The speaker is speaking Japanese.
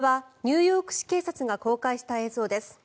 これはニューヨーク市警察が公開した映像です。